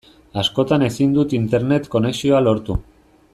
Askotan ezin dut Internet konexioa lortu.